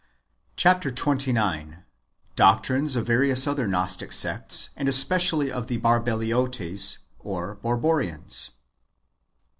Chap. xxix. — Doctrines of various other Gnostic sects, and especially of the Barheliotes or Borhorians.